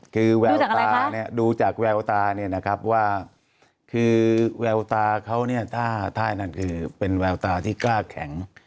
คือแววตาเนี่ยดูจากแววตาเนี่ยนะครับว่าคือแววตาเขาเนี่ยถ้ายนั่นคือเป็นแววตาที่กล้าแข็ง